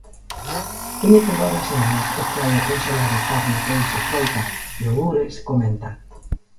"Veño todas as semanas e traio conxelado, carne, peixe, froita, iogures...", comenta.